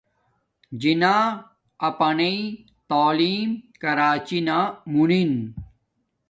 جناح اپانی تعیم کراچی نا مونن